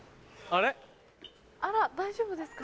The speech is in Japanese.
あら大丈夫ですか？